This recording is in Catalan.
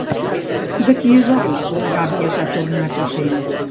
De qui és l'obra La gàbia s'ha tornat ocell?